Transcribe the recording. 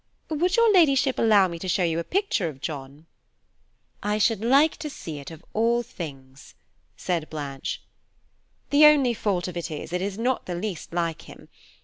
Would your Ladyship allow me to show you a picture of John?" "I should like to see it of all things," said Blanche. "The only fault of it is that it is not the least like him.